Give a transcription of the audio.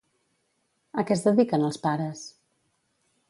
A què es dediquen els pares?